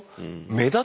目立つ。